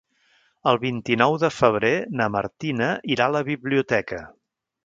El vint-i-nou de febrer na Martina irà a la biblioteca.